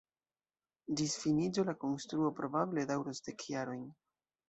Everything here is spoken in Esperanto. Ĝis finiĝo la konstruo probable daŭros dek jarojn.